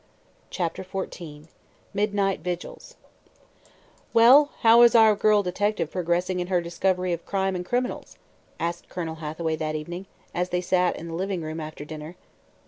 CHAPTER XIV MIDNIGHT VIGILS "Well, how is our girl detective progressing in her discovery of crime and criminals?" asked Colonel Hathaway that evening, as they sat in the living room after dinner.